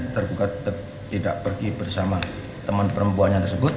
tergugat tidak pergi bersama teman perempuannya tersebut